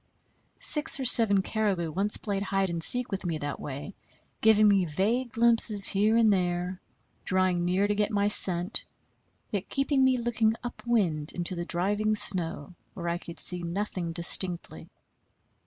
Six or seven caribou once played hide and seek with me that way, giving me vague glimpses here and there, drawing near to get my scent, yet keeping me looking up wind into the driving snow where I could see nothing distinctly.